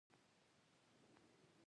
کاڼو، لوټو لاندې پروت ستړی دهقان دی